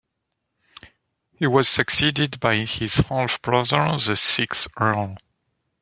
He was succeeded by his half-brother, the sixth Earl.